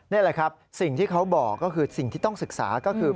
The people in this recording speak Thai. นี่แหละครับสิ่งที่เขาบอกก็คือสิ่งที่ต้องศึกษาก็คือ